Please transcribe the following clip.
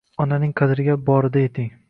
Onaning kadriga borida eting